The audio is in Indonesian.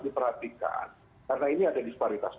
diperhatikan karena ini ada disparitas